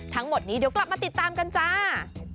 ทั้งหมดนี้เดี๋ยวกลับมาติดตามกันจ้า